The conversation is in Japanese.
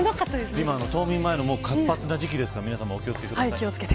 今、冬眠前の活発な時期ですから皆さんも、お気を付けください。